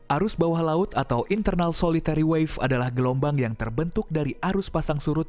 arus bawah laut atau internal solitary wave adalah gelombang yang terbentuk dari arus pasang surut